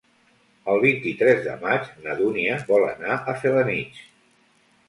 El vint-i-tres de maig na Dúnia vol anar a Felanitx.